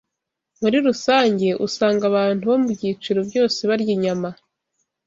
Muri rusange, usanga abantu bo mu byiciro byose barya inyama.